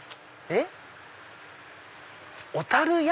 えっ？